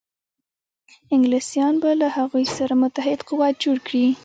انګلیسیان به له هغوی سره متحد قوت جوړ کړي.